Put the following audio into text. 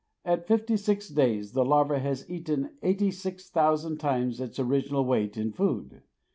At fifty six days the larva has eaten eighty six thousand times its original weight in food!